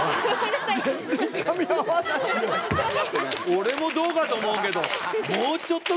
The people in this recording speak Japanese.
俺もどうかと思うけど。